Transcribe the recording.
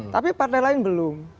tapi partai lain belum